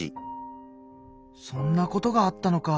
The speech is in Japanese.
そんなことがあったのか。